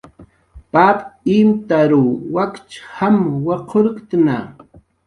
Pap imtaruw wakch jam waqurktna